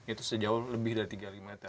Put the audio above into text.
itu sejauh lebih dari tiga km